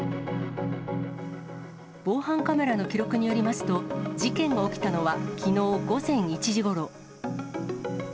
防犯カメラの記録によりますと、事件が起きたのはきのう午前１時ごろ。